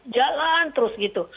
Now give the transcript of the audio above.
jalan terus gitu